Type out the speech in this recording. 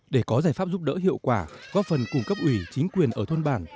để có giải pháp giúp đỡ hiệu quả góp phần cung cấp ủy chính quyền ở thôn bản